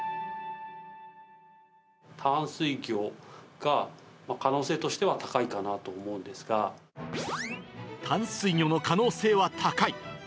淡水魚が、可能性としては高淡水魚の可能性は高い。